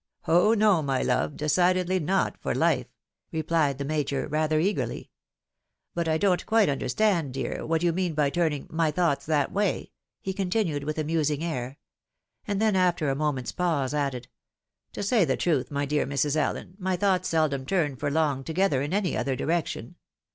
Oh, no! my love, decidedly not for life," re plied the Major, rather eagerly. " But I don't quite under stand, dear, what you mean by turning my 'thoughts that way,' " he continued, with a musing air ; and then, after a moment's pause, added, " To say the truth, my dear Mrs. Allen, my thoughts seldom turn for long together in any other direc tion.